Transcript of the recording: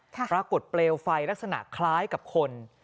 ปรากฏเปลวไฟลักษณะคล้ายกับคน